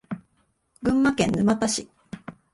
群馬県沼田市